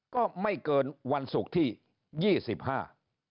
ก็ไม่เกินวันศุกร์ที่ยี่สิบห้า